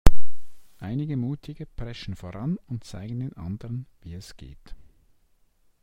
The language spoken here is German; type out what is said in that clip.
Einige Mutige preschen voran und zeigen den anderen, wie es geht.